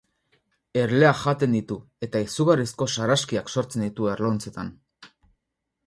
Erleak jaten ditu, eta izugarrizko sarraskiak sortzen ditu erlauntzetan.